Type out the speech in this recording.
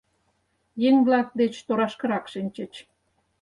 Еҥ-влак деч торашкырак шинчыч.